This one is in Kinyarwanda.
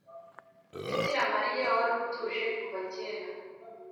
bikira mariya warutuje kuva kera